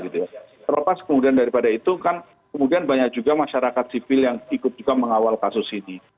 terlepas kemudian daripada itu kan kemudian banyak juga masyarakat sipil yang ikut juga mengawal kasus ini